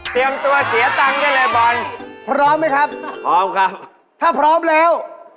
เปลี่ยนอีกแล้ว